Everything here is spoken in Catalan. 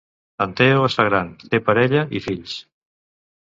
En Teo es fa gran, té parella i fills